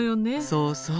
そうそう。